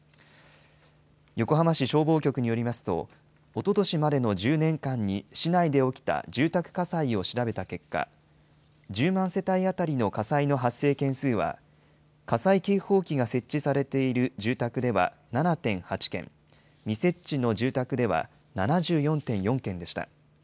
横浜市消防局によりますと、おととしまでの１０年間に市内で起きた住宅火災を調べた結果、１０万世帯当たりの火災の発生件数は、火災警報器が設置されている住宅では７．８件、未設置の住宅では７４．４件でした。